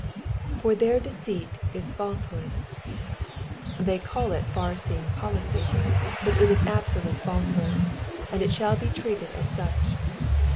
^''For {heir deceit is falseTiood,^^ They call it far seeing policy, but it is absolute falsehood, and it shall be treated as such.